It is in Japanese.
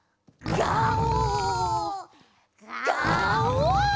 ガオ！